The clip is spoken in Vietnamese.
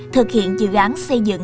thực hiện dự án xây dựng